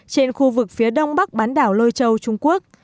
trên khu vực phía đông bắc bán đảo lôi châu trung quốc